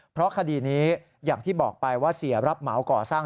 เพราะคดีนี้อย่างที่บอกไปว่าเสียรับเหมาก่อสร้าง